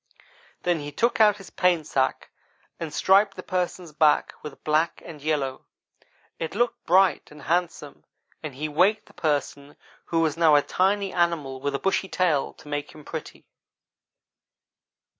Then he took out his paint sack and striped the Person's back with black and yellow. It looked bright and handsome and he waked the Person, who was now a tiny animal with a bushy tail to make him pretty.